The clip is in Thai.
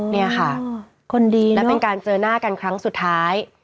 เนี่ยค่ะคนดีและเป็นการเจอหน้ากันครั้งสุดท้าย